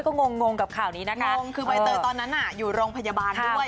ก็งงงกับข่าวนี้นะคะงงคือใบเตยตอนนั้นน่ะอยู่โรงพยาบาลด้วย